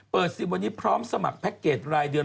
๑๐วันนี้พร้อมสมัครแพ็คเกจรายเดือน